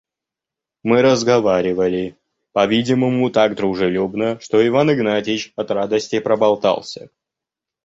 Мы разговаривали, по-видимому, так дружелюбно, что Иван Игнатьич от радости проболтался.